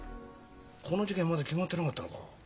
この事件まだ決まってなかったのか。